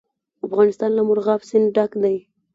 افغانستان له مورغاب سیند ډک دی.